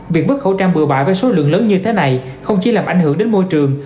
việc vứt khẩu trang bựa bại với số lượng lớn như thế này không chỉ làm ảnh hưởng đến môi trường